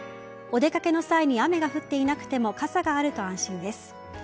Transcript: お出かけの際に雨が降っていなくても傘があると安心です。